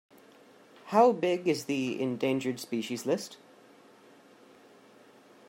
How big is the Endangered Species List?